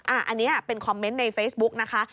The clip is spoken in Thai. อันนี้เป็นคอมเมนต์ในเฟซบุ๊กนะคะ